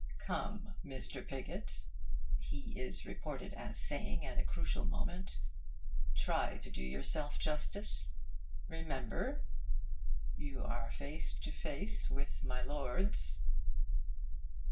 'Come, Mr. Pigott,' he is reported as saying, at a crucial moment, 'try to do yourself justice. Remember! you are face to face with My Lords.'